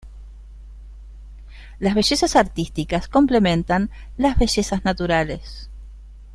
Las bellezas artísticas complementan las bellezas naturales.